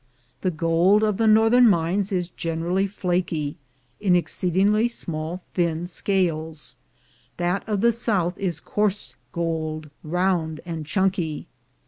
The gold of the northern mines is generally flaky, in exceedingly small thin scales; that of the south is coarse gold, round and "chunky."